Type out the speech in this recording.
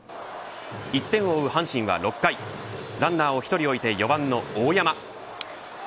１点を追う阪神は、６回ランナーを１人置いて４番の大山。